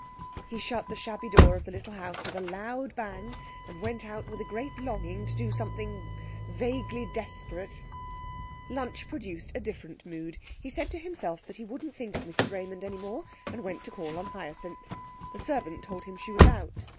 He shut the shabby door of the little house with a loud bang, and went out with a great longing to do something vaguely desperate. Lunch produced a different mood. He said to himself that he wouldn't think of Mrs Raymond any more, and went to call on Hyacinth. The servant told him she was out.